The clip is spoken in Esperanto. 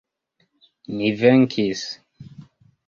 Ni venkis!